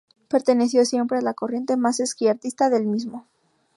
Perteneció siempre a la corriente más izquierdista del mismo.